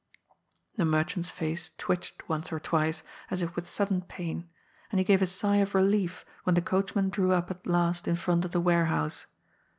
The merchant's face twitched once or twice, as if with sudden pain, and he gave a sigh of relief when the coach man drew up at last in front of the warehouse.